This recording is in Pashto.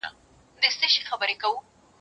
يو تر بله هم په عقل گړندي وه